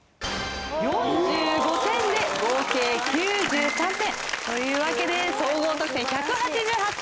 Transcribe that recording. ４５点で合計９３点。というわけで総合得点１８８点。